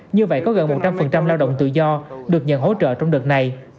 như vậy có gần một trăm linh lao động tự do được nhận hỗ trợ trong đợt này